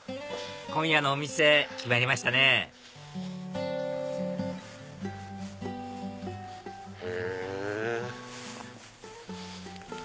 今夜のお店決まりましたねへぇ。